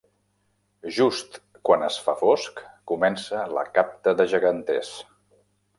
Just quan es fa fosc, comença la capta de geganters.